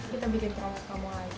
kita bikin proses kamu lagi